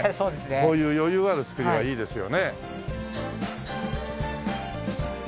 こういう余裕ある造りはいいですよね。